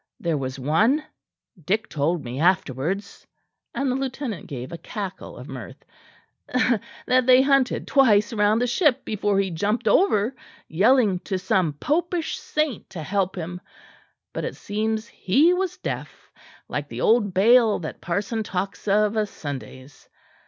There was one, Dick told me afterwards," and the lieutenant gave a cackle of mirth, "that they hunted twice round the ship before he jumped over yelling to some popish saint to help him; but it seems he was deaf, like the old Baal that parson tells of o' Sundays.